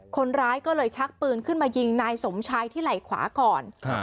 คนร้ายก็เลยชักปืนขึ้นมายิงนายสมชายที่ไหล่ขวาก่อน